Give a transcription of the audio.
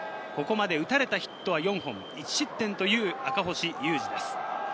打たれたヒットは４本、１失点という赤星優志です。